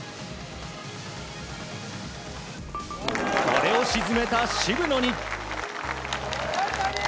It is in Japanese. これを沈めた渋野に。